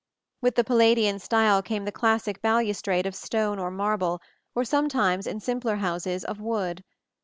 With the Palladian style came the classic balustrade of stone or marble, or sometimes, in simpler houses, of wood.